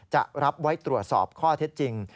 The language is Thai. จะรับไว้ตรวจสอบข้อเท็จจริง